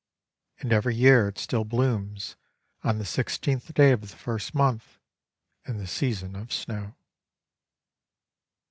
And every year it still blooms on the sixteenth day of the first month, in the season of snow.